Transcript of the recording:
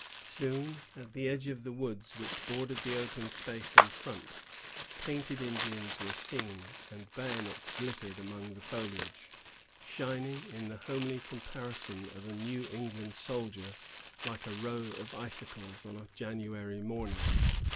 Soon, at the edge of the woods which bordered the open space in front, painted Indians were seen, and bayonets glittered among the foliage, shining, in the homely comparison of a New England soldier, like a row of icicles on a January morning.